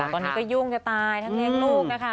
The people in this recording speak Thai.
ตอนนี้ก็ยุ่งจะตายทั้งเลี้ยงลูกนะคะ